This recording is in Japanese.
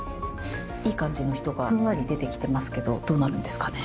いい感じの人がふんわり出てきてますけどどうなるんですかね。